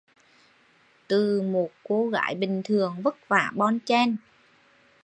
Từ một cô gái bình thường vất vả bon chen